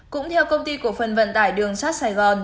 cũng theo công ty cổ phần vận tải đường sắt sài gòn